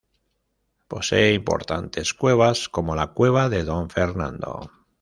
Posee importantes cuevas, como la Cueva de Don Fernando.